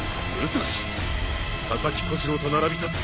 佐々木小次郎と並び立つ